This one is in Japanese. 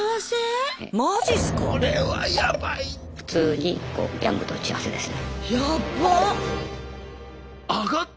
普通にギャングと打ち合わせですね。